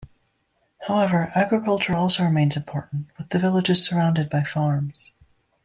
However, agriculture also remains important, with the villages surrounded by farms.